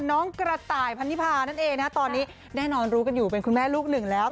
กระต่ายพันธิพานั่นเองนะตอนนี้แน่นอนรู้กันอยู่เป็นคุณแม่ลูกหนึ่งแล้ว